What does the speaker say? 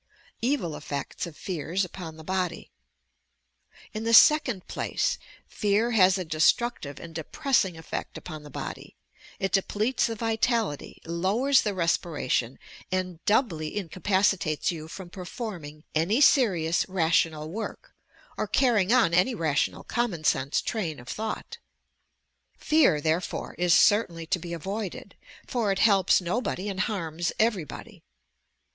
EVIL. EFFECTS OP FEAB UPON THE BODY In the second place. Fear has a destructive and de pressing effect upon the body. It depletes the vitality, lowers the respiration and doubly incapacitates you from performing any serious, rational work or carrying on any rational common sense train of thought. Fear, there 1 FEAR AND HOW TO BANISH IT 23 fore, is certainly to be avoided, for "it helps nobody and harms everybody."